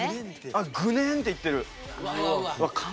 あっグネーンっていってる。